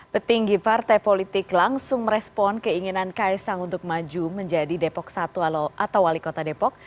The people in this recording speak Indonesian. petinggi partai politik langsung merespon keinginan kaisang untuk maju menjadi depok satu atau wali kota depok